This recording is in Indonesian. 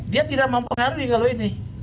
dia tidak mempengaruhi kalau ini